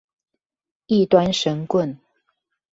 異端神棍